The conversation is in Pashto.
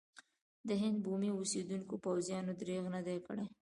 د هند بومي اوسېدونکو پوځیانو درېغ نه دی کړی.